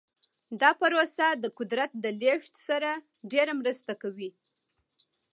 دا پروسه د قدرت د لیږد سره ډیره مرسته کوي.